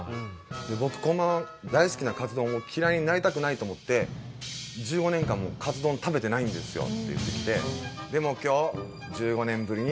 「僕このまま大好きなカツ丼を嫌いになりたくないと思って１５年間もカツ丼食べてないんですよ」って言ってきて。